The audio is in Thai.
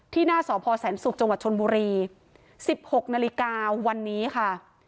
หน้าสพแสนศุกร์จังหวัดชนบุรี๑๖นาฬิกาวันนี้ค่ะ